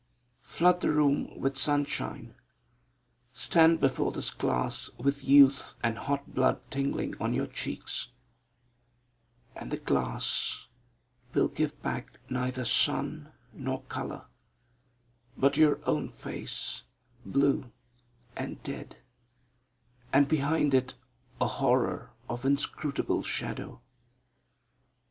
Flood the room with sunshine; stand before this glass with youth and hot blood tingling on your cheeks; and the glass will give back neither sun nor colour; but your own face, blue and dead, and behind it a horror of inscrutable shadow.